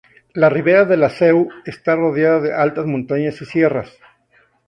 La ribera de la Seu está rodeada de altas montañas y sierras.